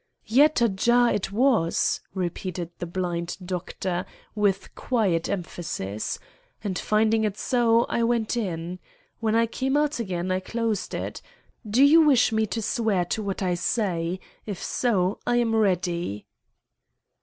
"Yet ajar it was," repeated the blind doctor, with quiet emphasis; "and finding it so, I went in. When I came out again, I closed it. Do you wish me to swear to what I say? If so, I am ready."